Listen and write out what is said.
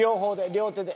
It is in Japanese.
両手で。